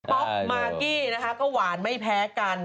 ป๊อกมากกี้นะคะก็หวานไม่แพ้กัน